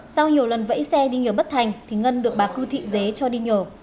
sau nhiều lần vẫy xe đi nhờ bất thành thì ngân được bà cư thị dế cho đi nhờ